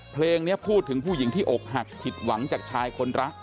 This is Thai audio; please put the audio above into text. เพลงนี้พูดถึงผู้หญิงเออกหัก